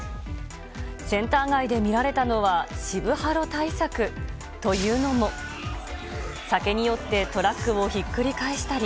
センター街で見られたのは渋ハロ対策。というのも、酒に酔ってトラック